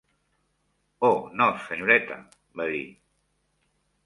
"Oh, no, senyoreta", va dir.